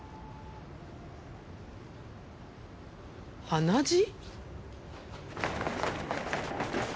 鼻血？